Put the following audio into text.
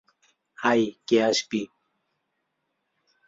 আয় কে আসবি!